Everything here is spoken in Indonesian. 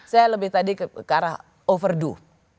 saya lebih tadi ke arah overduh